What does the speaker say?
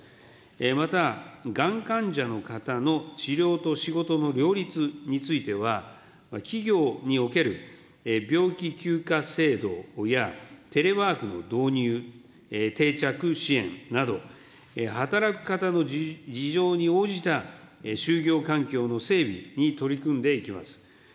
また、がん患者の方の治療と仕事の両立については、企業における病気休暇制度や、テレワークの導入、定着支援など、働く方の事情に応じた就業環境の整備に取り組んでいきます。